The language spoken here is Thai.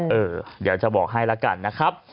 เดี๋ยวจะบอกให้แล้วกันนะครับ